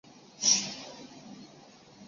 小甘菊为菊科小甘菊属的植物。